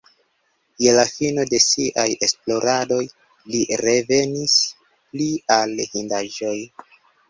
Je la fino de siaj esploradoj li revenis pli al hindaĵoj.